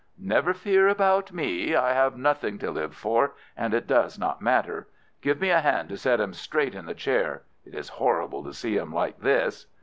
"Never fear about me. I have nothing to live for, and it does not matter. Give me a hand to set him straight in the chair. It is horrible to see him like this!"